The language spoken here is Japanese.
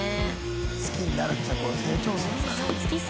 好きになるっていうのは成長するんだね。